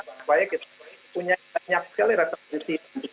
supaya kita punya banyak sekali resepsi